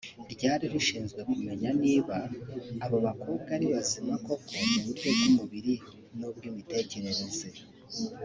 ryri rishinzwe kumeny aniba abo bakobwa ari bazima koko mu buryo bw’umubiri n’ubw’imitekerereze